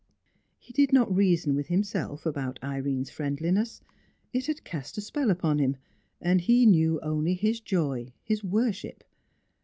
He did not reason with himself about Irene's friendliness; it had cast a spell upon him, and he knew only his joy, his worship.